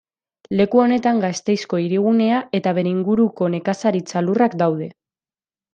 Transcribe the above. Leku honetan Gasteizko hirigunea eta bere inguruko nekazaritza lurrak daude.